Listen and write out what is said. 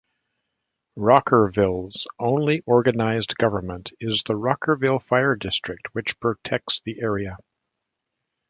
Rockerville's only organized government is the Rockerville Fire District, which protects the area.